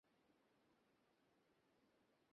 শুভ সকাল ক্যাপ্টেন।